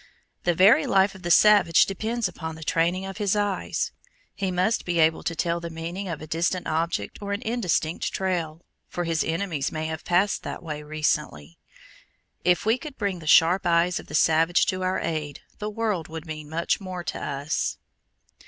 The very life of the savage depends upon the training of his eyes. He must be able to tell the meaning of a distant object or an indistinct trail, for his enemies may have passed that way recently. If we could bring the sharp eyes of the savage to our aid, the world would mean much more to us.